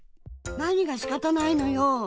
なにがしかたないのよ。